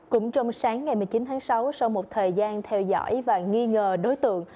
cũng trong sáng ngày một mươi chín tháng sáu sau một thời gian theo dõi và nghi ngờ đối tượng